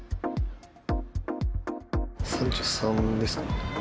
３３ですね。